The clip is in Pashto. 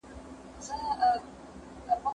زه هره ورځ قلم استعمالوم،